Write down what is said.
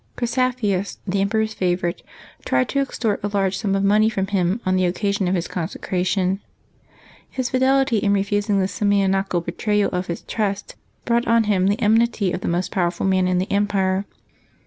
Chrysaphius, the emperor's favorite, tried to extort a large sum of money from him on the occasion of his consecration. His fidelity in refusing this simoniacal betrayal of his trust brought on him the enmity of the most powerful man in the empire.